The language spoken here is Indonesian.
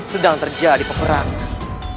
sedang terjadi peperangan